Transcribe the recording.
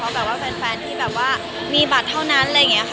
เพราะแฟนที่แบบว่ามีบัตรเท่านั้น